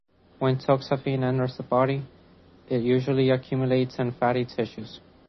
When toxaphene enters the body, it usually accumulates in fatty tissues.